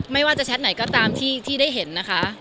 ไม่ว่าจะแชทไหนก็ตามที่ได้เห็นนะคะ